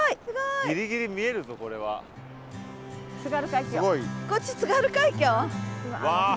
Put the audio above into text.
ギリギリ見えるぞこれは。わ！